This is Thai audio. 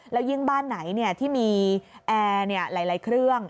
แล้วยิ่งบ้านไหนที่มีแอร์หลายเครื่อง